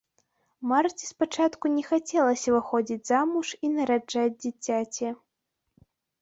Марце спачатку не хацелася выходзіць замуж і нараджаць дзіцяці.